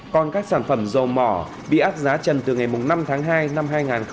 còn các sản phẩm dầu mỏ bị áp giá trần từ ngày năm tháng hai năm hai nghìn hai mươi